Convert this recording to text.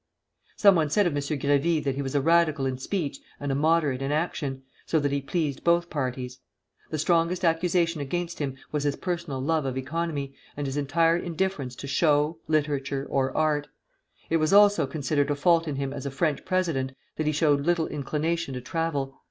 Some one said of M. Grévy that he was a Radical in speech and a Moderate in action, so that he pleased both parties. The strongest accusation against him was his personal love of economy, and his entire indifference to show, literature, or art. It was also considered a fault in him as a French president that he showed little inclination to travel.